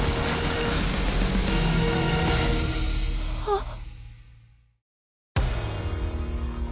あっ。